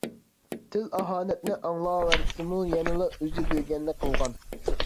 تىل ئاھانەتنى ئاڭلاۋەرسىمۇ يەنىلا ئۆزى بىلگەننى قىلغان.